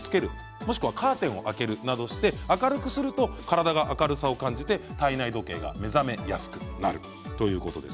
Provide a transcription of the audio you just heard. もしくはカーテンを開けるなどして明るくすると体が明るさを感じて体内時計が目覚めやすくなるということです。